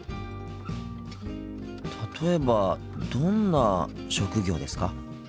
例えばどんな職業ですか？